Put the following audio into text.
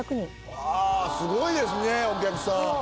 あすごいですねお客さん。